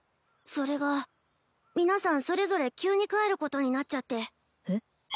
それが皆さんそれぞれ急に帰ることになっちゃってえっ？